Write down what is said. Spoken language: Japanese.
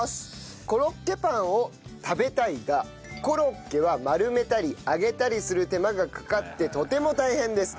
コロッケパンを食べたいがコロッケは丸めたり揚げたりする手間がかかってとても大変です。